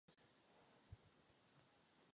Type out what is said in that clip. Kvete od srpna do října.